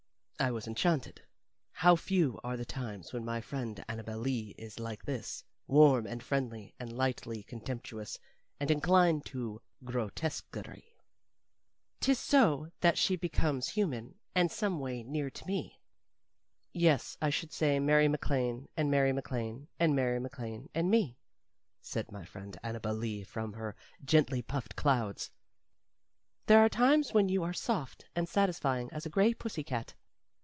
I was enchanted. How few are the times when my friend Annabel Lee is like this, warm and friendly and lightly contemptuous and inclined to grotesquerie. 'Tis so that she becomes human and someway near to me. "Yes, I should say Mary MacLane, and Mary MacLane, and Mary MacLane, and me," said my friend Annabel Lee from her gently puffed clouds. "There are times when you are soft and satisfying as a gray pussy cat.